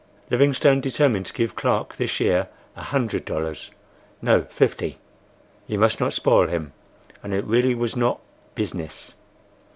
Livingstone determined to give Clark this year a hundred dollars—no, fifty—he must not spoil him, and it really was not "business."